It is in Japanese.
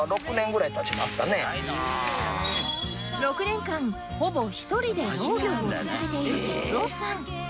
６年間ほぼ一人で農業を続けている哲夫さん